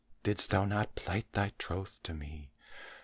Didst thou not plight thy troth to me?